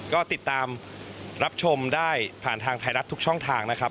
ก็ติดตามรับชมได้ผ่านทางไทยรัฐทุกช่องทางนะครับ